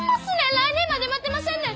来年まで待てませんねん！